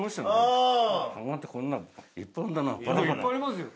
これいっぱいありますよ。